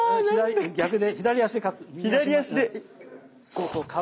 逆で左足で勝つ。